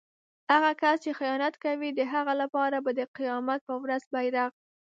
هغه کس چې خیانت کوي د هغه لپاره به د قيامت په ورځ بیرغ